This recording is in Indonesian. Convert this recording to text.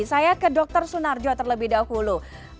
saya ke dr sunarjo terlebih dahulu